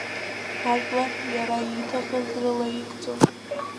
Ажәлар иара ииҭахыз рылаигӡон.